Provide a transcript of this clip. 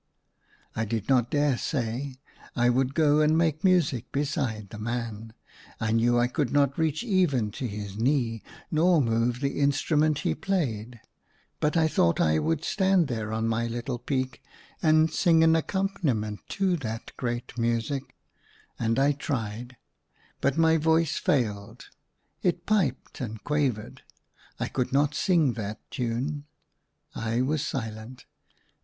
I did not dare say I would go and make music beside the man. I knew I could not reach even to his knee, nor move the instrument he played. But I thought I would stand there on my ACROSS MY BED. 179 little peak and sing an accompaniment to that great music. And I tried ; but my voice failed. It piped and qua vered. I could not sing that tune. I was silent.